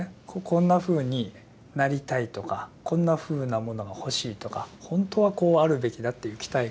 こんなふうになりたいとかこんなふうなものが欲しいとかほんとはこうあるべきだという期待感とか。